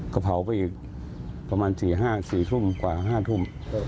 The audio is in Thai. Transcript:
ก็เผาไปอีกประมาณ๔ทุ่มกว่า๕ทุ่ม